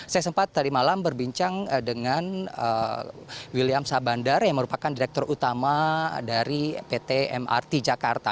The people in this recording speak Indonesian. saya sempat tadi malam berbincang dengan william sabandar yang merupakan direktur utama dari pt mrt jakarta